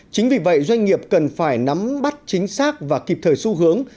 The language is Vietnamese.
chính vì vậy doanh nghiệp cần phải nắm bắt chính xác và kịp thời xu hướng